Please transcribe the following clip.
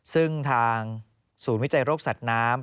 ซึ่งทางศูนย์วิจัยโรคสัตว์น้ำ